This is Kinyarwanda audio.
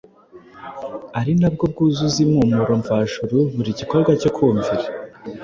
ari nabwo bwuzuza impumuro mvajuru buri gikorwa cyo kumvira.